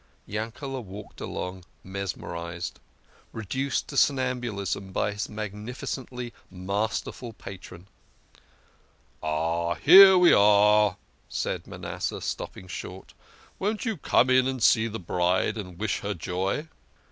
Yankele walked along mesmerised, reduced to som nambulism by his magnificently mas terful patron. "Oh, here we are !" said Ma nasseh, stopping short. " Won't you come in and see the bride, and wish her joy?